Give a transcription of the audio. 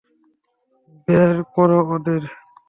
বের করো ওদের।